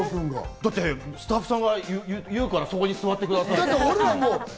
だってスタッフさんが言うから、そこに座ってくださいって。